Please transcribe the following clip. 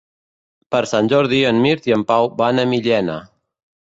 Per Sant Jordi en Mirt i en Pau van a Millena.